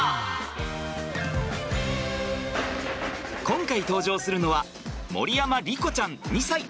今回登場するのは守山莉子ちゃん２さい。